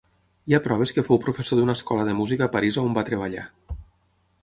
Hi ha proves que fou professor d'una escola de música a París on va treballar.